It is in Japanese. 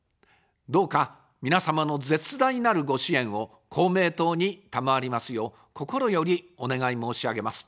どうか皆様の絶大なるご支援を公明党に賜りますよう、心よりお願い申し上げます。